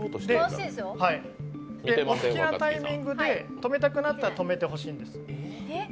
お好きなタイミングで止めたくなったら止めてほしいんです。